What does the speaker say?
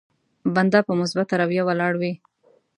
بنده په مثبته رويه ولاړ وي.